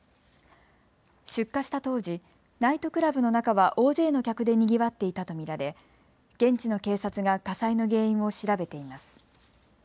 出火した当時、ナイトクラブの中は大勢の客でにぎわっていたと見られ現地の警察が火災の原因を調べています。